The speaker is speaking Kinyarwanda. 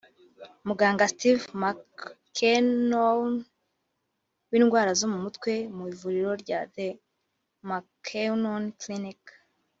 Muganga Steve McKeown w’indwara zo mu mutwe mu ivuriro rye The McKeown Clinic